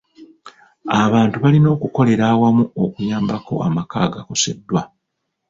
Abantu balina okukolera awamu okuyambako amaka agakoseddwa.